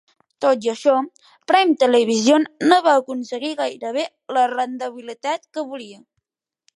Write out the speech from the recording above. Tot i això, Prime Television no va aconseguir gairebé la rendibilitat que volia.